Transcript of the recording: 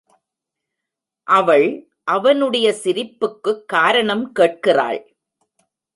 அவள் அவனுடைய சிரிப்புக்குக் காரணம் கேட்கிறாள்.